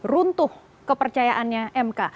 runtuh kepercayaannya mk